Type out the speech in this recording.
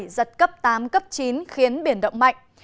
giật cấp tám chín khiến biển động mạnh